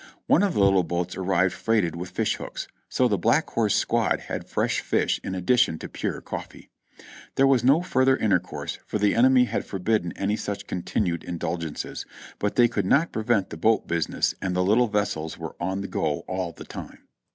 One of the little boats arrived freighted with fish hooks ; so the Black Horse squad had fresh fish in addition to pure coffee. There was no further intercourse, for the enemy had forbidden any such continued indulgences ; but they could not prevent the boat busi ness and the little vessels were on the go all the time.